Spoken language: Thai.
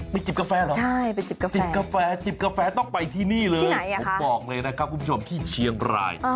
ไปจิบกาแฟหรอจิบกาแฟจิบกาแฟต้องไปที่นี่เลยบอกเลยนะครับคุณผู้ชมที่เชียงราย